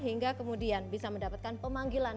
hingga kemudian bisa mendapatkan pemanggilan